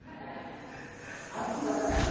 飽きなかった？